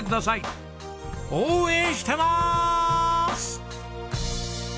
応援してます！